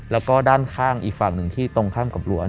แล้วก็ด้านข้างอีกฝั่งหนึ่งที่ตรงข้ามกับรั้ว